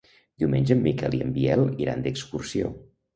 Diumenge en Miquel i en Biel iran d'excursió.